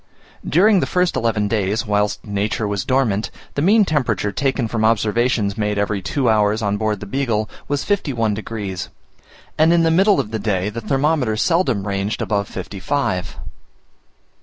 During the first eleven days, whilst nature was dormant, the mean temperature taken from observations made every two hours on board the Beagle, was 51 degs.; and in the middle of the day the thermometer seldom ranged above 55 degs.